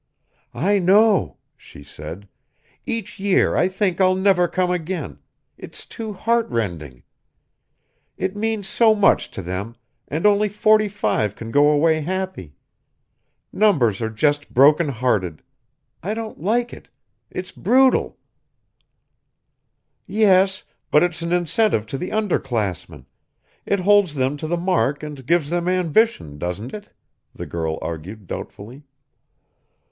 "I know," she said. "Each year I think I'll never come again it's too heart rending. It means so much to them, and only forty five can go away happy. Numbers are just broken hearted. I don't like it it's brutal." "Yes, but it's an incentive to the under classmen it holds them to the mark and gives them ambition, doesn't it?" the girl argued doubtfully.